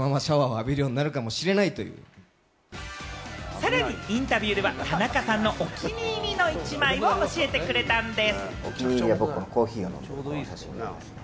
さらにインタビューでは田中さんのお気に入りの１枚を教えてくれたんです。